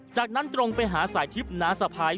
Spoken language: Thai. จากนั้นตรงไปหาสายทิพย์น้าสะพ้าย